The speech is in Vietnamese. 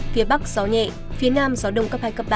phía bắc gió nhẹ phía nam gió đông cấp hai cấp ba